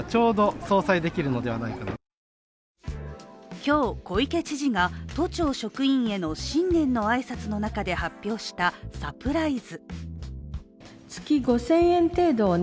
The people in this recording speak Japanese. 今日、小池知事が都庁職員への新年の挨拶の中で発表したサプライズ。